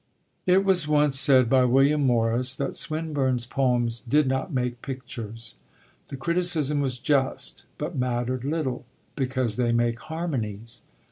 It was once said by William Morris that Swinburne's poems did not make pictures. The criticism was just, but mattered little; because they make harmonies.